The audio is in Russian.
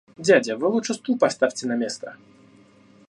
Дядя, вы лучше стул поставьте на место!